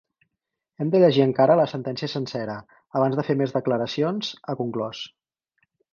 Hem de llegir encara la sentència sencera, abans de fer més declaracions, ha conclòs.